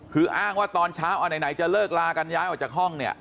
คืออ้างว่าตอนเช้าเอาไหนจะเลิกลากันย้ายออกจากห้องเนี่ย